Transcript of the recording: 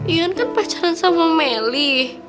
ion kan pacaran sama melly